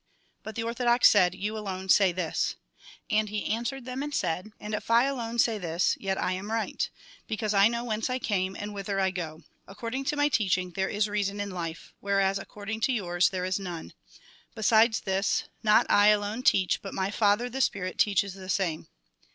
But the orthodox said :" You alone say this." And he answered them, and said :" And if I alone say this, yet I am right ; because I know whence I came, and whither I go. According to my teaching, there is reason in life ; whereas, according to yours, there is none. Besides this, not I alone teach, but my Father, the Spirit, teaches the same."